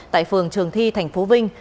tại phường trường thi tp vinh